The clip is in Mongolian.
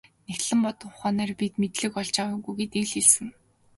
Нягтлан бодох ухаанаар бид мэдлэг олж аваагүй гэдгийг л хэлсэн.